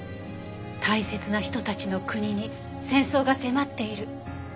大切な人たちの国に戦争が迫っている。